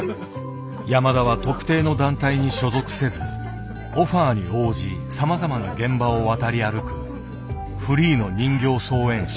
山田は特定の団体に所属せずオファーに応じさまざまな現場を渡り歩くフリーの人形操演者。